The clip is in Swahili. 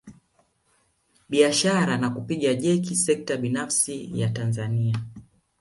Biashara na kuipiga jeki sekta binafsi ya Tanzania